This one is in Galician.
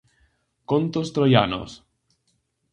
Contos troianos.